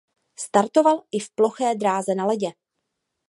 Startoval i v ploché dráze na ledě.